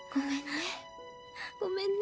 ごめんね。